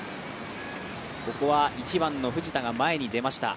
ここは１番の藤田が前に出ました。